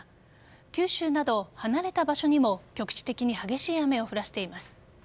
九州など離れた場所にも局地的に激しい雨を降らせています。